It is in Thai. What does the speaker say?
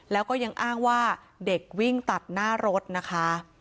แล้วก็ยังอ้างว่าเด็กวิ่งตัดหน้ารถนะคะ